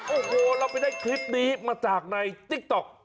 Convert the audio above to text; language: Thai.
โอ้โหเราไปได้คลิปนี้มาจากในติ๊กต๊อก